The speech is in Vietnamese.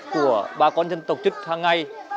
của bà con dân tộc chất hàng ngày